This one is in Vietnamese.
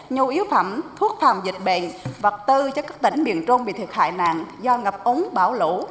nhu yếu phẩm thuốc phòng dịch bệnh vật tư cho các tỉnh miền trung bị thiệt hại nạn do ngập ống bão lũ